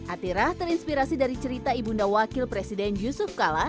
atira terinspirasi dari cerita ibu undawakil presiden yusuf kala